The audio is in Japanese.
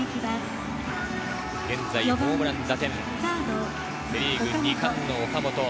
現在ホームラン、打点、セ・リーグ二冠の岡本。